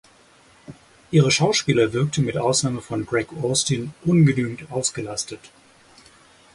Ihre Schauspieler wirkten mit Ausnahme von Greg Austin ungenügend ausgelastet.